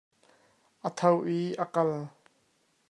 A tho i a kal.